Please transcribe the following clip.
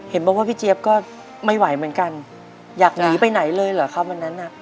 บอกว่าพี่เจี๊ยบก็ไม่ไหวเหมือนกันอยากหนีไปไหนเลยเหรอครับวันนั้นน่ะ